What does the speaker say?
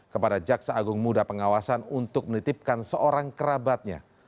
kepada jaksa agung muda pengawasan untuk menitipkan seorang kerabatnya